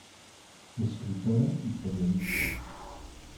Escritora y periodista.